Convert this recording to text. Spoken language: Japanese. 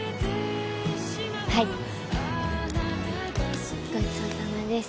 はいごちそうさまです